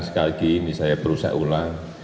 sekali lagi ini saya berusaha ulang